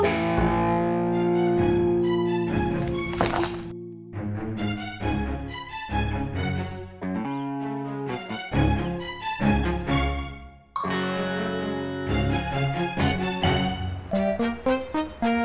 siapa yang mau senyum